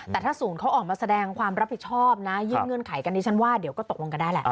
แต่ถ้าศูนย์เขาออกมาแสดงความรับผิดชอบนะยื่นเงื่อนไขกันดิฉันว่าเดี๋ยวก็ตกลงกันได้แหละ